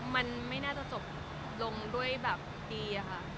มันไม่น่าจะจบลงด้วยแบบดีอะค่ะ